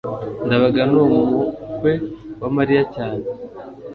ndabaga ni umukwe wa mariya cyane